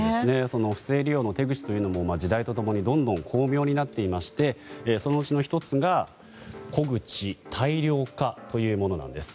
不正利用の手口も時代と共にどんどんと巧妙になっていましてそのうちの１つが小口・大量化というものなんです。